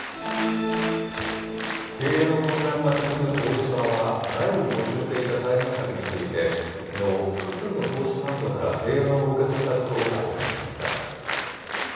経営の混乱が続く東芝は、外部に募集していた再編策について、きのう、複数の投資ファンドから提案を受け取ったことを明らかにしました。